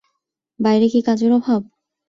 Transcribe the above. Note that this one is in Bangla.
বাইরে কি কাজের অভাব।